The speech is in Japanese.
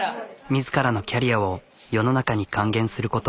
自らのキャリアを世の中に還元すること。